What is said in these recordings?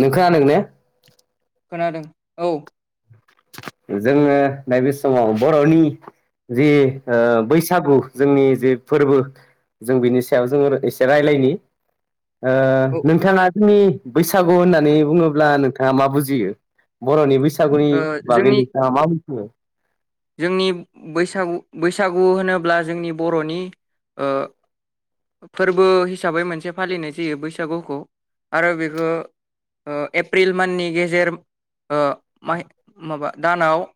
नों खानादों ना? खोनादों औ। जोङो नैबे समाव बर'नि जि ओ बैसागु जोंनि जि फोरबो जों बिनि सायाव जोङो एसे रायलायनि। ओ औ ओ नोंथाङा। जोंनि बैसागु होननानै बुङोब्ला नोंथाङा मा बुजियो। बर'नि बैसागुनि बाखै जोंनि नोंथांङा मा बुं [inaudible] जोंनि बैसागु बैसागु होनोब्ला जोंनि बर'निओ फोरबो हिसाबै मोनसे फालिनाय जायो बैसागुखौ आरो बेखौ एप्रिल माननि गेजेर ओ माबा दानाव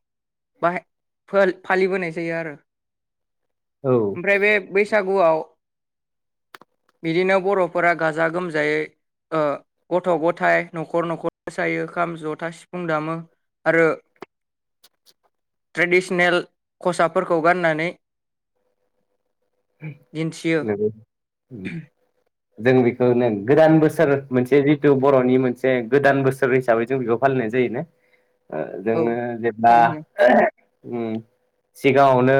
बाहाय फालिबोनाय जायो आरो। औ ओमफ्राय बे बैसागुआव बिदिनो बर'फोरा गाजा गोमजायै गथ' गथाय न'खर न'खर मोसायो खाम जथा सिफुं दामो आरो ट्रेडिसनेल खसाफोरखौ गाननानै दिन्थियो [inaudible] जों बेखौनो गोदान बोसोर मोनसे जिथु बर'नि मोनसे गोदान बोसोर हिसाबै जों बेखौ फालिनाय जायो ने ओ औ जोंनो जेब्ला थारैनो ओ सिगाङावनो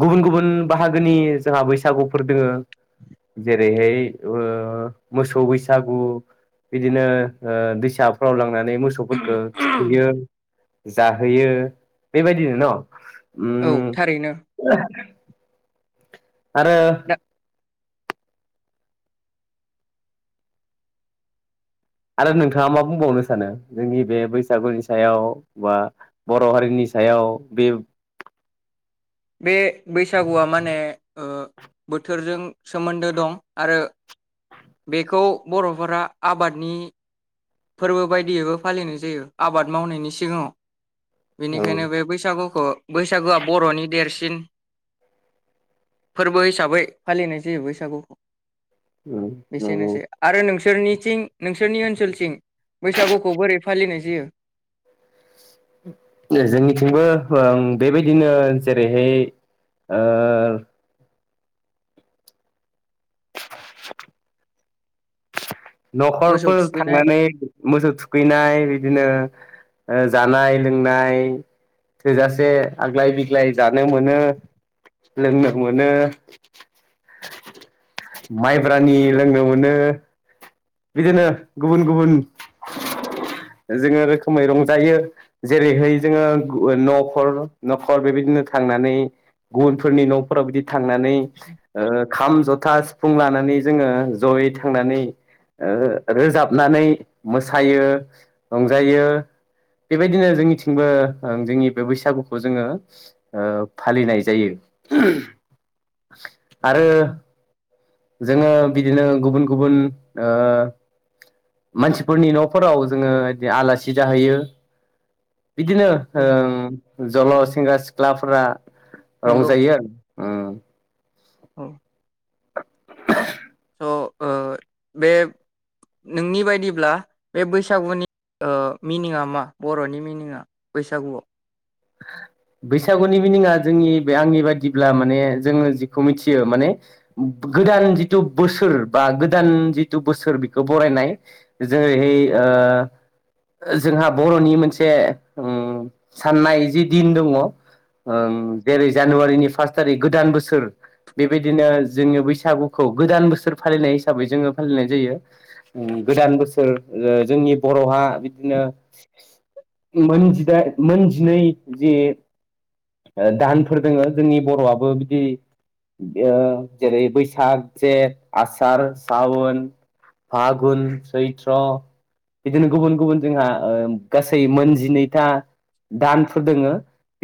गुबुन-गुबुन बाहागो गोनि जोंहा बैसागु फोरबो जेरैहाय ओ मोसौ बैसागु बिदिनो ओ दैसाफ्राव लांनान नै मोसौफोरखौ थुखैयो। जाहोयो बेबायदिनो न औ उम थारैनो। आरो दा आरो नोंथाङा मा बुंबावनो सानो जोंनि बे बैसागुनि सायाव बा बर' हारिनि सायाव बे बे बैसागुआ माने ओ बोथोरजों सोमोन्दो दं आरो बेखौ बर'फोरा आबादनि फोरबो बायदियैबो फालिनाय जायो आबाद मावनायनि सिगाङाव। औ बेनिखायनो बे बैसागु खो बैसागोआ बर'नि देरसि न फोरबो हिसाबै फालिनाय जायो बैसागुखौ। उम नंगौ बेसेनोसै आरो नोंस सोरनिथिं नोंसोरनि ओनसोलथिं बैसागुखौ बोरै फालिनाय जायो? जोंनिथिंबो ओं बेबायदिनो जेरैहाय ओ [inaudible] मोसौ न'खरफोर थुखैनाय थांनानै मोसौ थुखैनाय बिदिनो ओ जानाय लोंनाय थोजासे आग्लाय-बिग्लाय जानो मोनो लोंनो मोनो। माइब्रानि लोंनो मोनो बिदिनो गुबुन-गुबुन जोङो रोखोमै रंजायो। जेरैहाय जोङो न'खर-न'खर बेबायदिनो थांनानै गुबुनफोरनि न'फोराव बिदि थांनानै ओ खाम, जथा, सिफुं लानानै जोङो जयै थांनानै ओ रोजाबनानै मोसायो रंजायो बेबायदिनो जोंनिथिंबो ओं जोंनि बे बैसागुखौ जोङो ओ फालिनाय जायो। आरो जोङो बिदिनो गुबुन-गुबुन ओ मानसिफोरनि न'फोराव जोङो इदि आलासि जाहैयो। बिदिनो होम जल सेंग्रा सिख्लाफोरा नंगौ रंजायो आरो ओम। औ [inaudible] अ ओ बे नोंनि बायदिब्ला बे बैसागुनि ओ मिनिङा मा बर'नि मिनिङाआ बैसागुआव? बैसागुनि मिनिङा जोंनि बे आंनि बादिब्ला माने जोङो जिखौ मिथियो माने गोदान जिथु बोसोर बा गोदान जिथु बोसोर बेखौ बरायनाय जेरैहाय ओ जोंहा बर'नि मोनसे ओम साननाय जि दिन दङ ओ जेरै जानुवारिनि फास थारिख गोदान बोसोर बेबायदिनो जोंनि बैसागुखौ गोदान बोसोर फालिनाय हिसाबै जोङो फालिनाय जायो। गोदान बोसोर जोंनि बर'हा बिदिनो मोन जिदाइन मोन जिनै जे ओ दानफोर दोङो जोंनि बर'आबो बिदि ओ जेरै बैसाग, जेठ, आसार, सावोन फागुन, सैथ्र बिदिनो गुबुन गुबुन जोंहा ओ गासै मोन जिनैथा दानफोर दङो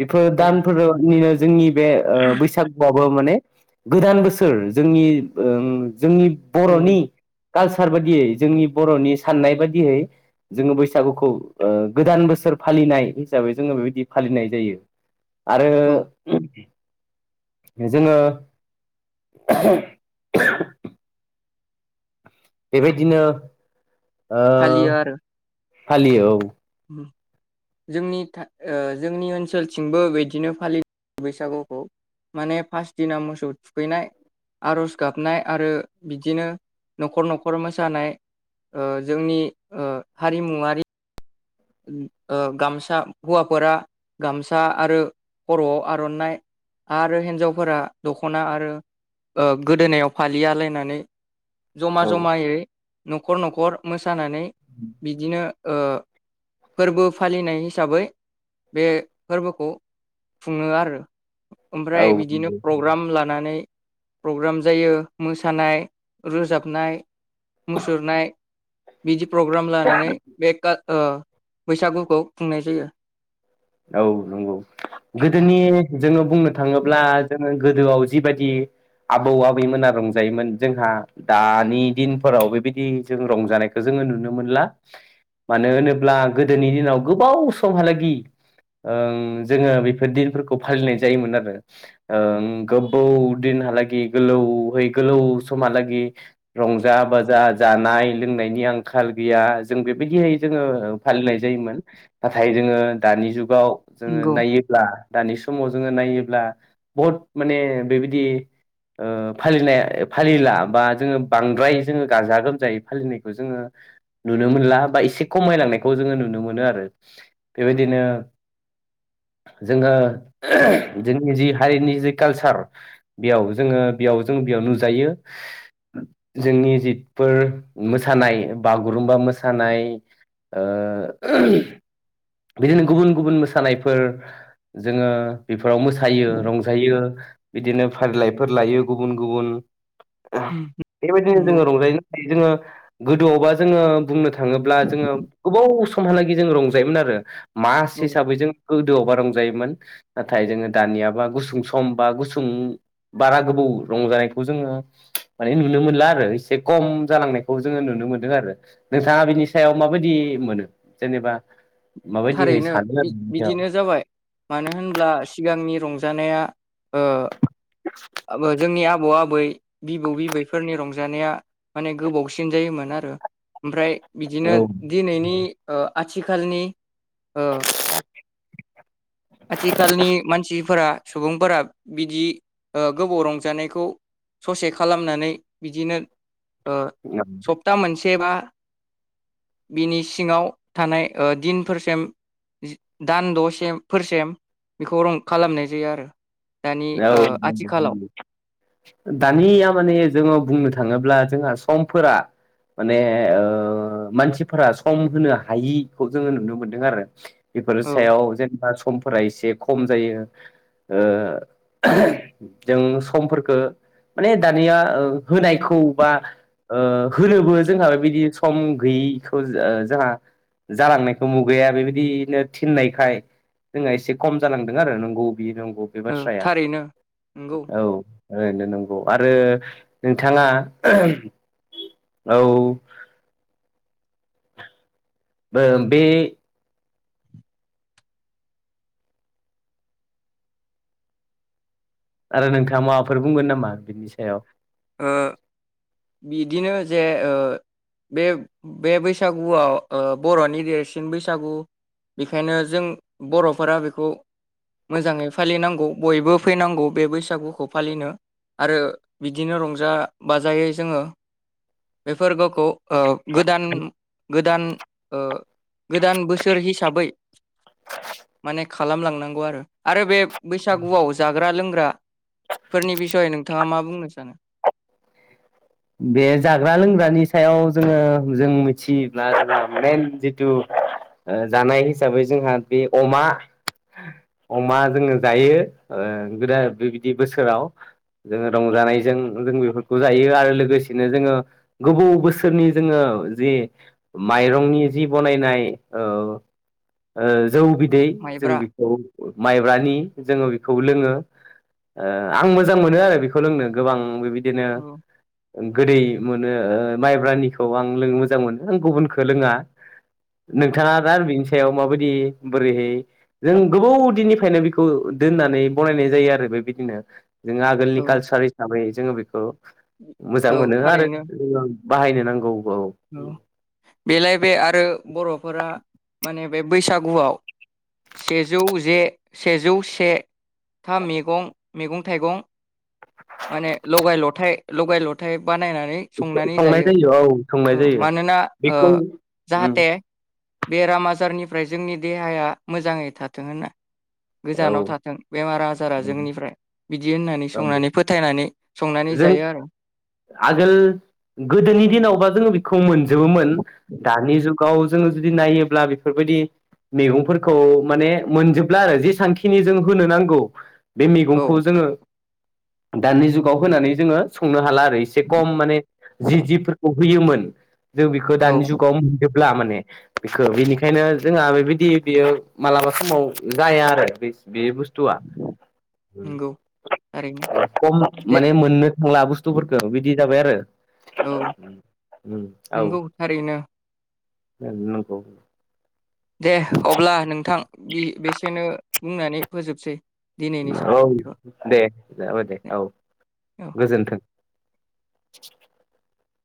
बेफोर औ दानफोरनिनो जोंनि बे ओ बैसागुआबो माने गोदान बोसोर जोंनि ओम जोंनि नंगौ बर'नि कालसार बादियै जोंनि बर'नि साननाय बादियै जोङो बैसागुखौ ओ गोदान बोसोर फालिनाय हिसाबै जोङो बेबायदि फालिनाय जायो। आरो औ जोङो बेबायदिनो ओ फालियो औ ओम जोंनि था ओ जोंनि ओनसोलथिंबो बिदिनो फालियो बैसागुखौ। माने फास दिना मोसौ थुखैनाय आर'ज गाबनाय आरो बिदिनो न'खर न'खर मोसानाय ओ जोंनि ओ हारिमुआरि ओ गामसा हौवाफोरा गामसा आरो खर'आव आर'नाइ आरो हिन्जावफोरा दख'ना आरो ओ गोदोनायाव फालि आलायनानै जमा औ जमायै न'खर न'खर मोसा नानै बिदिनो ओ फोरबो फालिनाय हिसाबै बे फोरबोखौ खुङो आरो। औ ओमफ्राय बिदिनो प्रग्राम लानानै प्रग्राम जायो मोसानाय, रोजाबनाय मुसुरनाय बिदि प्रग्राम लानानै बे काल ओ बैसागुखौ खुंनाय जायो। औ नोंगौ। गोदोनि जोङो बुंनो थाङोब्ला जोङो गोदोआव जिबायदि आबौ आबैमोना रंजायोमोन जोंहा दानि दिनफोराव बेबायदि जों रंजानायखौ जोङो नुनो मोनल। मानो होनोब्ला गोदोनि दिनाव गोबाव समहालागि ओं जोङो बेफोर दिनफोरखौ फालिनाय जायोमोन आरो। ओं गोबाव दिनहा लागै गोलाव है गोलौ समहालागै रंजा बाजा जानाय लोंनायनि आंखाल गैया जों बेबायदियै जोङो फालिनाय जायोमोन। नाथाय जोङो दानि जुग जोङो नंगौ नायोब्ला दानि समाव जोङो नायोब्ला बहुद माने बेबायदि फालिनाय फालिला बा जोङो बांद्राय जोङो गाजा गोमजायै फालिनायखौ जोङो नुनो मोनला बा एसे खमायलांनायखौ जोङो नुनो मोनो आरो बेबायदिनो जोङो जोंनि जि हारिनि जि कालसार बेयाव जोङो बेयाव जों बेयाव नुजायो जोंनि जिफोर मोसानाय बागुरुमबा मोसानाय ओ बिदिनो गुबुन गुबुन मोसानायफोर जोङो बेफोराव मोसायो रंजायो बिदिनो फारिलाइफोर लायो गुबुन गुबुन उम बेबायदिनो नंगौ जोङो रंजायोनो हायो जोङो गोदोआवबा जोङो बुंनो था थाङोब्ला जोङो गोबाव सम सममहालागै जों रंजायोमोन आरो [inaudible] मास औ हिसाबै जों गोदोआवबा रंजायोमोन नाथाय जोङो दानियाबा गुसुं सम बा गुसुं बारा गोबौ रंजानायखौ जोङो माने नुनो मोनला आरो एसे खम जालांनायखौ जोङो नुनो मोनदों आरो नोंथाङा बिनि सायाव माबायदि मोनो जेनेबा माबायदियै थारैनो सानो आरो बिदिनो जाबाय मानो होनब्ला सिगांनि रंजा जानाया ओ जोंनि आब आबौ आबै बिबौ बिबैफोरनि रंजानाया माने गोबावसिन जायोमोन आरो ओमफ्राय बिदिनो दिनैनि ओ आथिखालनि ओ आथिखालनि मानसिफोरा सुबुंफोरा बिदि ओ गोबाव रंजानायखौ ससे खालामनानै बिदिनो ओ सप्ता मोनसे बा बिनि सिङाव थानाय ओ दिनफोरसिम दान द'सेम फोरसेम बेखौ रं खालामनाय जायो आरो दानि ओ औ आथिखालाव दानिया माने जोङो बुंनो थाङोब्ला जोंहा समफोरा माने ओ मानसिफोरा सम होनो हायिखौ जोङो नुनो मोनदों आरो बेफोर औ सायाव जेनेबा समफोरा एसे खम जायो ओ जों समफोरखो माने दानिया ओ होनायखौ बा ओ होनोबो जोंहा बेबायदि सम गैयिखौ जोंहा जालांनायखौ मुगाया बेबायदिनो थिननायखाय जोंहा एसे खम जालांदों आरो नंगौ । बि नंगौ बे बाथ्राया रैनो नंगौ औ ओरैनो नंगौ आरो नोंथाङा औ बो बे आरो नोंथाङा माबाफोर बुंगोन नामा बिनि सायाव ओ बिदिनो जे ओ बे बे बैसागुआव ओ बर'नि देरसिन बैसागु बेखायनो जों बर'फोरा बेखौ मोजाङै फालिनांगौ बयबो फैनांगौ बे बैसागुखौ फालिनो आरो बिदि बिदिनो रंजा बाजायै जोङो बेफोर गावखौ ओ गोदान गोदान ओ गोदान बोसोर हिसाबै माने खालामलांनांगौ आरो आरो बे बैसागुआव जाग्रा लों फोरा फोरनि बिसयै नोंथाङा मा बुंनो? जानो बे जाग्रा लोंग्रानि सायाव जोङो जों मिथियोब्ला जोंहा मेन जिथु जानाय हिसाबै जोंहा बे अमा । अमा जोङो जायो ।गोदान बेबायदि बोसोराव जोङो रंजानायजों जों बेफोरखौ जायो आरो लोगोसेनो जोङो गोबौ बोसोरनि जोङो जि माइरंनि जि बनायनाय ओ ओ जौ बिदै जों माइब्रा बेखौ माइब्रानि जोङो बे बेखौ लोङो आं मोजां मोनो आरो बेखौ लोंनो गोबां बेबायदि बिदिनो औ गोदै मोनो माइब्रानिखौ आं लोंनो मोजां मोनो। आं गुबुनखौ लोङा। नोंथाङा दा बिनि सायाव माबायदि बोरैहाय जों गोबाव दिननिफ्रायनो बेखौ दोननानै बनायनाय जायो आरो बेबायदिनो। जों आगोलनि औ कालसार हिसाबै जोङो बेखौ मोजां औ मोनो आरो। थारैनो बाहायनो नांगौ। औ बेलाय बे आरो बर'फोरा माने बे बैसागुआव सेजौ जे सेजौ से थाम मैगं -मैगं- थाइगं माने लगाय -लथायाइ लगाय- लथायाइ बानायनानै संनानै संनाय जायो। औ संनाय औ जायो मानोना औ बेखौ उम जाहाथे बेराम आजारनिफ्राय जोंनि देहाया मोजाङै थाथों होना। औ गोजानाव थाथों बेमार आजारा जोंनिफ्राय। बिदि होननानै संनानै फोथायनानै संनानै जों जायो आरो। आगोल गोदोनि दिनावबा जोङो बेखौ [unintelligible] जोबोमोन दानि [unintelligible] गाव जोङो जुदि नायोब्ला बेफोरबायदि मैगंफोरखौ माने मोनजोबला आरो। जेसांखिनि जों होनो नांगौ। बे औ मैगंखौ जोङो दानि जुगाव होनानै जोङो संनो हाला। एसे कम माने जि जिफोरखौ होयोमोन। जों बेखौ दानि औ जुगाव [unintelligible] [unintelligible] माने बेखौ बेनिखायनो जोंहा बेबायदि बेयो मालाबा समाव जाया आरो। बे बे बुस्थुआ नंगौ थारैनो खम। दे माने मोननो थांला बुस्थुफोरखो। [unintelligible] जाबाय आरो औ औ नंगौ थारैनो। नंगौ। दे अब्ला नोंथां बे बेसेनो बुंनानै फोजोबसै। दिनैनि औ दे जाबाय दे औ साव औ गोजोनथों। [unintelligible]